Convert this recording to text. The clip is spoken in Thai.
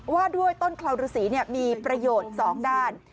ว่าด้วยต้นคลาวรุสีเนี่ยมีประโยชน์สองด้าน